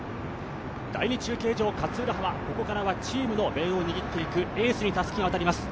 第２中継所、ここからはチームの命運を握っていくエースにたすきが渡ります。